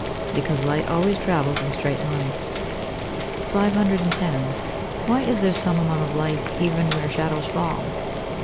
_ Because light always travels in straight lines. 510. _Why is there some amount of light even where shadows fall?